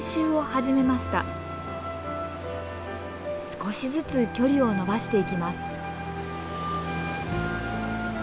少しずつ距離をのばしていきます。